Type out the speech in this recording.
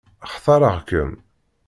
Xtareɣ-kem.